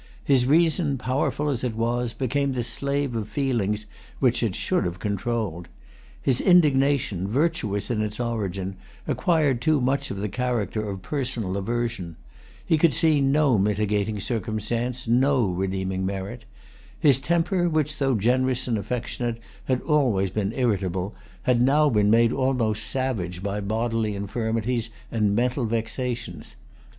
His reason, powerful as it was, became the slave of feelings which it should have controlled. His indignation, virtuous in its origin, acquired too much of the character of personal aversion. He could see no mitigating circumstance, no redeeming merit. His temper, which, though generous and affectionate, had always been irritable, had now been made almost savage by bodily infirmities and mental vexations.